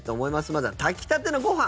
まずは炊きたてのご飯。